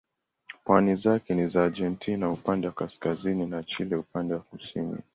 Pwani zake ni za Argentina upande wa kaskazini na Chile upande wa kusini.